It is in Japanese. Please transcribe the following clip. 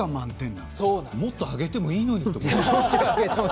もっとあげてもいいのに。